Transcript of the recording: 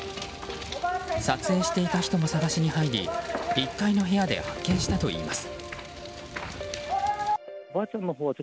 撮影していた人も捜しに入り１階の部屋で発見したといいます。